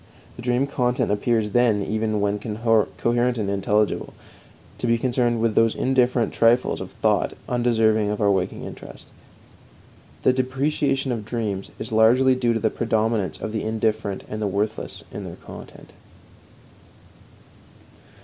The dream content appears, then, even when coherent and intelligible, to be concerned with those indifferent trifles of thought undeserving of our waking interest. The depreciation of dreams is largely due to the predominance of the indifferent and the worthless in their content.